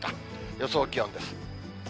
予想気温です。